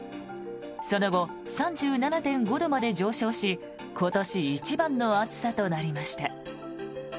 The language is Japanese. その後、３７．５度まで上昇し今年一番の暑さとなりました。